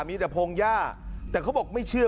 มีแต่พงหญ้าแต่เขาบอกไม่เชื่อ